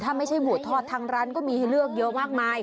ถ้าไม่ใช่หมูทอดทางร้านก็มีให้เลือกเยอะมากมาย